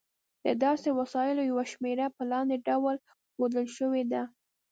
د داسې وسایلو یوه شمېره په لاندې ډول ښودل شوې ده.